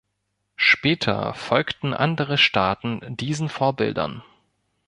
Später folgten andere Staaten diesen Vorbildern.